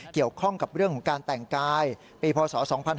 เกี่ยวข้องกับเรื่องของการแต่งกายปีพศ๒๕๕๙